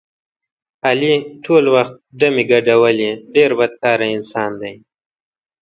علي ټول وخت ډمې ګډولې ډېر بدکاره انسان دی.